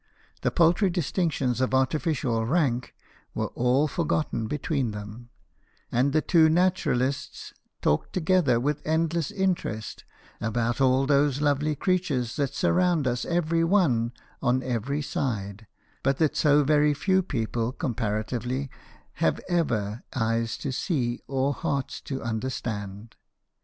The paltry distinctions of artificial rank were all forgotten between them, and the two naturalists talked together with endless interest about all those lovely creatures that surround us every one on every side, but that so very few people comparatively have ever eyes to see or hearts to understand.